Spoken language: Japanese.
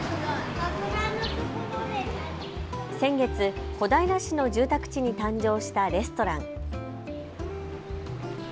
先月、小平市の住宅地に誕生したレストラン。